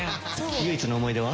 唯一の想い出は？